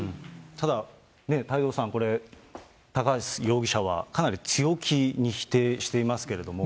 ただ、太蔵さん、高橋容疑者はかなり強気に否定していますけれども。